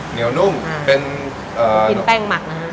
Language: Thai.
เหนียวนุ่มเป็นกินแป้งหมักนะฮะ